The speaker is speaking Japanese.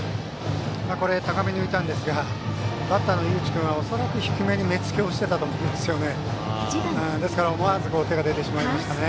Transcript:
高めに浮いたんですがバッターの井口君は恐らく低めに目付けをしてたと思うんですよね。